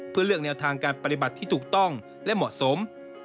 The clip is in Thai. เพื่อเลือกแนวทางการปฏิบัติที่ถูกต้องและเหมาะสม